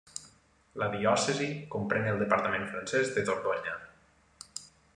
La diòcesi comprèn el departament francès de Dordonya.